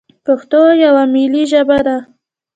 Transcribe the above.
پښتو یوه ملي ژبه ده.